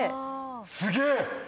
すげえ！